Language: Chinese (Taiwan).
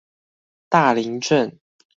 大林鎮